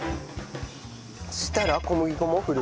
そしたら小麦粉も振る。